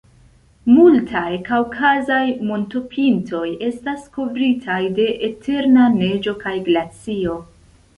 Multaj kaŭkazaj montopintoj estas kovritaj de eterna neĝo kaj glacio.